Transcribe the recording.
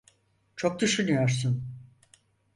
Çok düşünüyorsun.